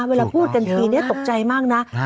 เวลาพูดกันทีนี้ตกใจมากนะ